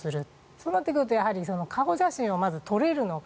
そうなってくると顔写真を撮れるのか。